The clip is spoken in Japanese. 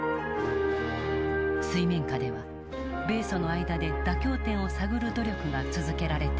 水面下では米ソの間で妥協点を探る努力が続けられていた。